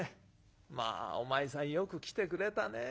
『まあお前さんよく来てくれたね。